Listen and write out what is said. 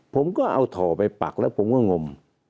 ผมก็เอาถ่อไปปักแล้วผมก็งม